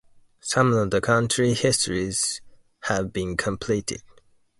Some of the county histories have been completed.